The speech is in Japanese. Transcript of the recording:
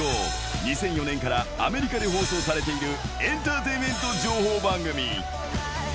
２００４年からアメリカで放送されているエンターテインメント情報番組。